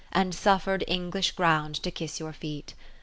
And suffered English ground to kiss your feet.